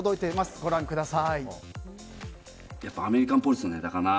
ご覧ください。